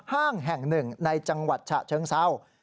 ห้างแห่งหนึ่งในจังหวัดฉะเชิงเศร้า